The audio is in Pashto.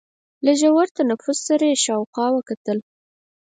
له ژور تنفس سره يې شاوخوا وکتل.